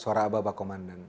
suara ababa komandan